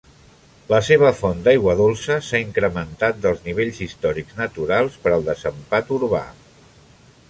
La seva font d'aigua dolça s'ha incrementat dels nivells històrics naturals per el desempat urbà.